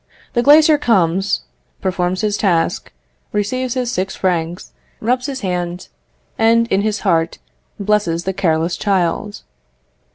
The glazier comes, performs his task, receives his six francs, rubs his hands, and, in his heart, blesses the careless child.